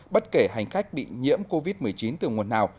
bất kể hành khách bị nhiễm covid một mươi chín từ nguồn nào